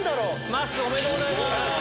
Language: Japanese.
まっすーおめでとうございます！